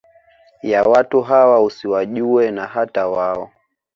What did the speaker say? ya watu hawa usiwajue na hata wao